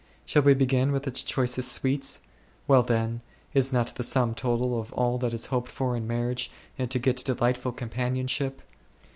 Shall we begin with its choicest sweets ? Well then, is not the sum total of all that is hoped for in marriage to get delightful companionship